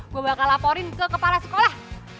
gue bakal laporin ke kepala sekolah